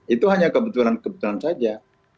itu hanya kebetulan kebetulan saja